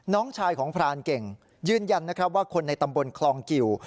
น้องชายของพรานเก่งยืนยันนะครับว่าคนในตำบลคลองกิว